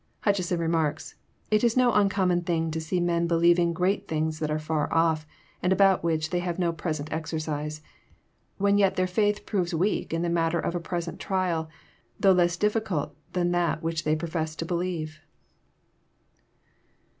Hutcheson remarks :'< It is no uncommon thing to see men be lieving great things that are far off, and about which they have no present exercise, when yet their faith proves weak in the mat ter of a present trial, though less difficult than that which they profess to believe."